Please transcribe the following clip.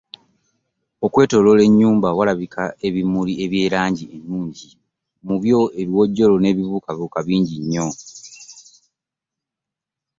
Okwetooloola ennyumba waalabika ebimuli eby'erangi nnyingi, mu byo ebiwojjolo ne bibuukabuuka bingi nnyo.